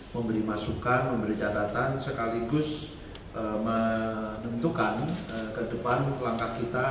memberi masukan memberi catatan sekaligus menentukan ke depan langkah kita